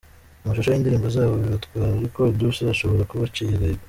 amashusho yindirimbo zabo bibatwara ariko Edouce ashobora kuba aciye agahigo.